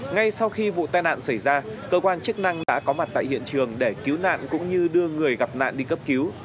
ngay sau khi vụ tai nạn xảy ra cơ quan chức năng đã có mặt tại hiện trường để cứu nạn cũng như đưa người gặp nạn đi cấp cứu